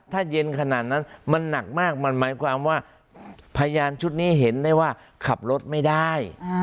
ถ้าเย็นขนาดนั้นมันหนักมากมันหมายความว่าพยานชุดนี้เห็นได้ว่าขับรถไม่ได้